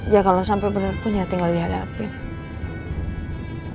ya kalau sampai bener pun ya tinggal dilihat lihatin